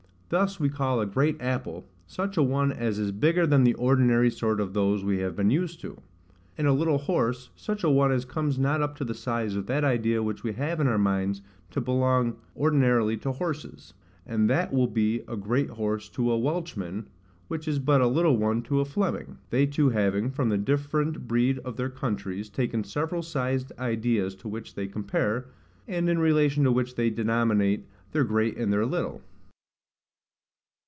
Thus we call a great apple, such a one as is bigger than the ordinary sort of those we have been used to; and a little horse, such a one as comes not up to the size of that idea which we have in our minds to belong ordinarily to horses; and that will be a great horse to a Welchman, which is but a little one to a Fleming; they two having, from the different breed of their countries, taken several sized ideas to which they compare, and in relation to which they denominate their great and their little.